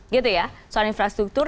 gitu ya soal infrastruktur